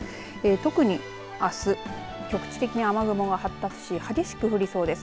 特に、あす局地的に雨雲が発達し激しく降りそうです。